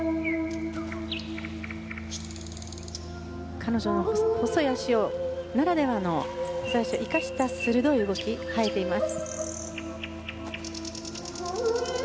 彼女の細い脚ならではのそれを生かしていて鋭い動きが映えています。